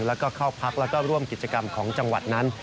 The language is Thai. แล้วก็เข้าพักแล้วก็ร่วมกิจกรรมของจังหวัดนั้น